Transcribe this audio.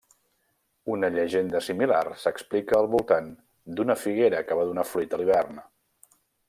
Una llegenda similar s'explica al voltant d'una figuera que va donar fruit a l'hivern.